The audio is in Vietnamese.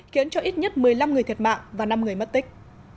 khiến cho ít nhất một mươi năm người thiệt mạng và năm người mất tích